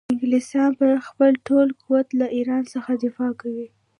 انګلستان به په خپل ټول قوت له ایران څخه دفاع کوي.